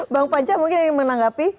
bang panca mungkin ada yang menanggapi